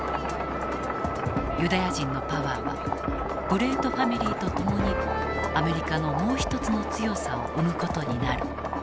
ユダヤ人のパワーはグレートファミリーと共にアメリカのもう一つの強さを生む事になる。